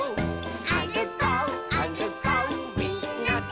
「あるこうあるこうみんなで」